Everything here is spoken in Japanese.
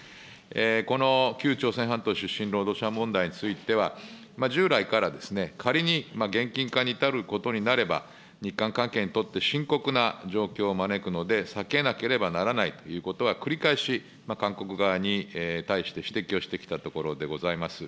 この旧朝鮮半島出身労働者問題については、従来から仮に現金化に至ることになれば、日韓関係にとって深刻な状況を招くので、避けなければならないということは繰り返し韓国側に対して指摘をしてきたところでございます。